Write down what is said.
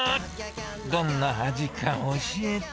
どんな味か、教えて。